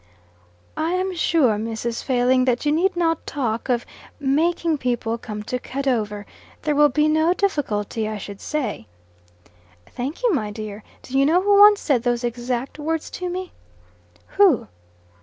"I am sure, Mrs. Failing, that you need not talk of 'making' people come to Cadover. There will be no difficulty, I should say." "Thank you, my dear. Do you know who once said those exact words to me?" "Who?"